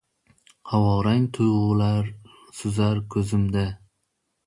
Havorang tuyg‘ular suzar ko‘zimda